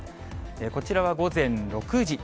こちらは午前６時。